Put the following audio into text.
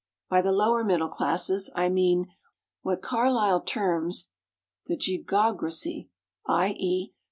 By the "lower middle classes" I mean, what Carlyle terms the gigocracy _i.e.